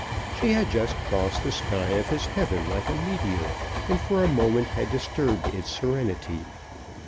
She had just crossed the sky of his heaven like a meteor, and for a moment had disturbed its serenity.